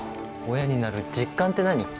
親になる実感って何？